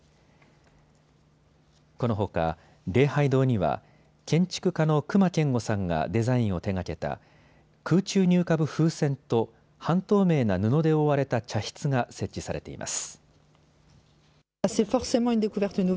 このほか礼拝堂には建築家の隈研吾さんがデザインを手がけた空中に浮かぶ風船と半透明な布で覆われた茶室が設置されています。